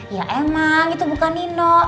ya emang itu bukan nino